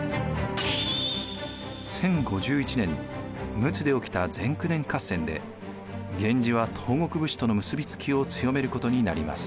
１０５１年陸奥で起きた前九年合戦で源氏は東国武士との結び付きを強めることになります。